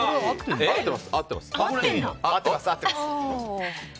合ってます。